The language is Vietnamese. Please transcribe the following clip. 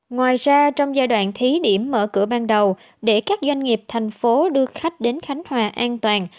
ngoài ra trong giai đoạn thí điểm mở cửa ban đầu để các doanh nghiệp thành phố đưa khách đến khánh hòa an toàn